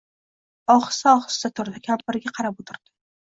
Ohista-ohista turdi. Kampiriga qarab o‘tirdi.